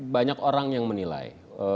banyak orang yang menilai